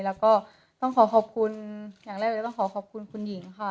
แล้วก็ต้องขอขอบคุณอย่างแรกเลยต้องขอขอบคุณคุณหญิงค่ะ